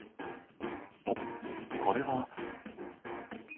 おっこれはトラ。